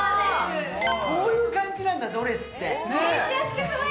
こういう感じなんだ、ドレスって。